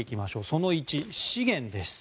その１、資源です。